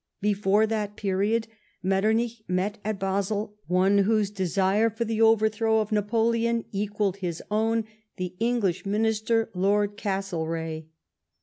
Before that period Metternich met at Basel one whose desire for the overthrow of Napoleon equalled his ov. n — the English Minister, Lord Castlereagh.